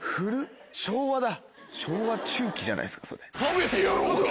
昭和中期じゃないですかそれ。